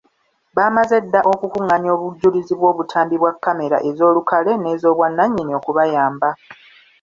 Baamaze dda okukungaanya obujulizi bw’obutambi bwa kkamera ez’olukale n’ez'obwannannyini okubayamba.